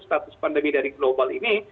status pandemi dari global ini